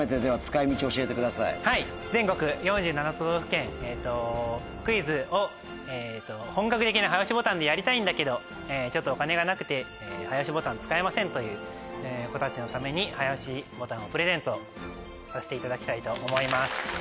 全国４７都道府県クイズを本格的な早押しボタンでやりたいんだけどちょっとお金がなくて早押しボタン使えませんという子たちのために早押しボタンをプレゼントさせていただきたいと思います。